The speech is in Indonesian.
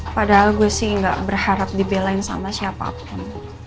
padahal gue sih gak berharap dibelain sama siapapun